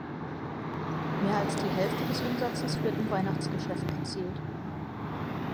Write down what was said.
Mehr als die Hälfte des Umsatzes wird im Weihnachtsgeschäft erzielt.